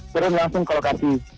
terus langsung ke lokasi